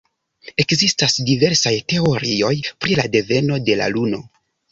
Ekzistas diversaj teorioj pri la deveno de la Luno.